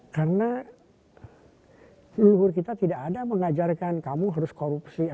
karena leluhur kita tidak ada mengajarkan kamu harus korupsi